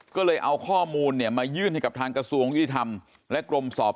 ก็เลยเอาข้อมูลเนี่ยมายื่นให้กับทางกระทรวงยุติธรรมและกรมสอบ